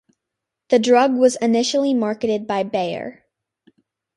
The drug was initially marketed by Bayer.